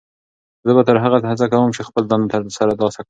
زه به تر هغو هڅه کوم چې خپله دنده ترلاسه کړم.